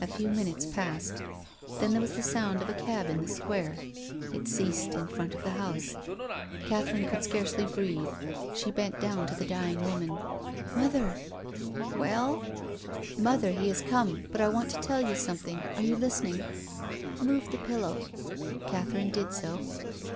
A few minutes passed. Then there was the sound of a cab in the Square. It ceased in front of the house. Catherine could scarcely breathe. She bent down to the dying woman. " Mother !"" Well ?"" Mother, he has come — but I want to tell you something — arc you listening ?"" Move the pillow." Catherine did so.